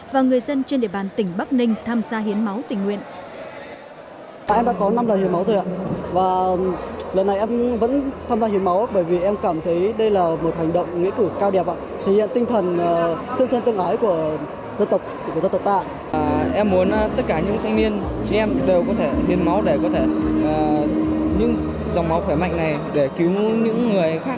và người dân trên địa bàn tỉnh bắc ninh tham gia hiến máu tình nguyện